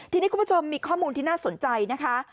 ทีนี้คุณผู้ชมมีข้อมูลที่น่าสนใจนะคะ